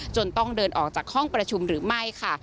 ต้องเดินออกจากห้องประชุมหรือไม่ค่ะ